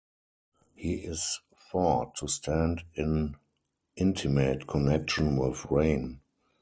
He is thought to stand in intimate connection with rain.